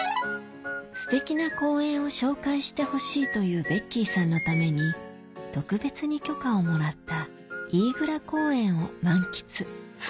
すてきな公園を紹介してほしいというベッキーさんのために特別に許可をもらった飯倉公園を満喫